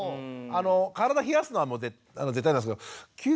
体冷やすのは絶対なんですけど救急車